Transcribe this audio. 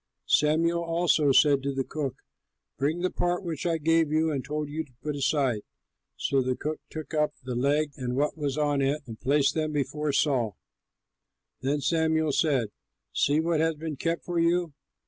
Samuel also said to the cook, "Bring the part which I gave you and told you to put aside." So the cook took up the leg and what was on it and placed them before Saul. Then Samuel said, "See what has been kept for you!